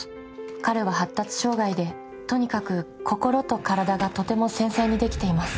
彼は発達障がいでとにかく心と体がとても繊細にできています